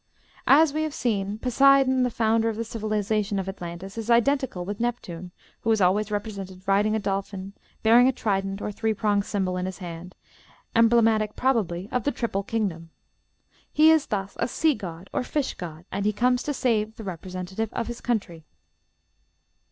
As we have seen, Poseidon, the founder of the civilization of Atlantis, is identical with Neptune, who is always represented riding a dolphin, bearing a trident, or three pronged symbol, in his hand, emblematical probably of the triple kingdom. He is thus a sea god, or fish god, and he comes to save the representative of his country.